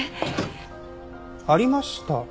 ありました。